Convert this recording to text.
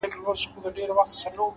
صداقت د باور بنسټ دی’